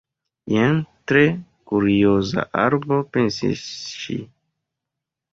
"Jen tre kurioza arbo," pensis ŝi.